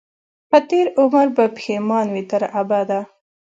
په تېر عمر به پښېمان وي تر ابده